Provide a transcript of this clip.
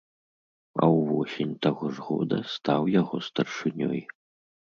А ўвосень таго ж года стаў яго старшынёй.